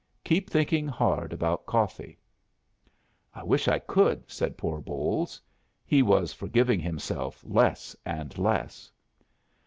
Keep thinking hard about coffee." "I wish I could," said poor Bolles. He was forgiving himself less and less.